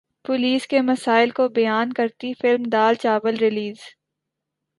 police کے مسائل کو بیان کرتی فلم دال چاول ریلیز